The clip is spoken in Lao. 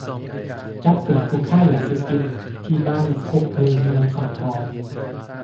ຈັບກຸມຜູ້ຄ້າຂາຍຢາເສບຕິດ ທີ່ບ້ານຄົກເພີງ ເມືອງສັງທອງ